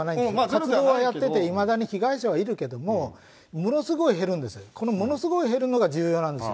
活動はやってて、いまだに被害者はいるけれども、ものすごい減るんです、このものすごい減るのが重要なんです。